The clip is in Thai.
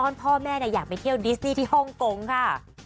พ่อแม่อยากไปเที่ยวดิสนี่ที่ฮ่องกงค่ะ